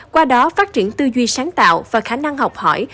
qua đó phát triển tư duy sáng tạo và khả năng học hỏi